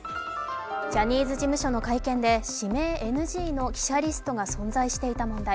ジャニーズ事務所の会見で指名ＮＧの記者リストが存在していた問題。